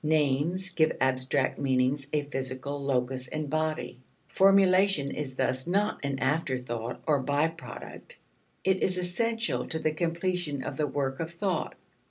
Names give abstract meanings a physical locus and body. Formulation is thus not an after thought or by product; it is essential to the completion of the work of thought.